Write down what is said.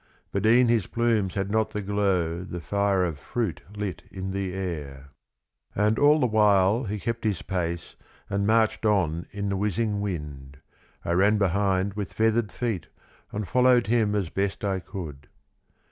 But e'en His plumes had not the glow The fire of fruit lit in the air. 38 All the while He kept his pace And marched on in the whizzing wind, I ran behind with feathered feet And followed Him as best I could.